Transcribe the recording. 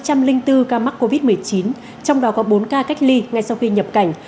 trong đó có bốn trăm linh bốn ca mắc covid một mươi chín trong đó có bốn ca cách ly ngay sau khi nhập cảnh